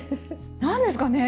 何ですかね